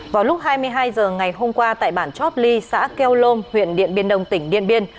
vào lúc hai mươi hai h ngày hôm qua tại bản chót ly xã kêu lôm huyện điện biên đông tỉnh điện biên